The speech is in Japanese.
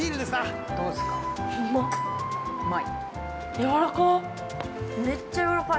やわらかい！